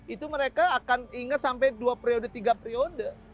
itu mereka akan ingat sampai dua periode tiga periode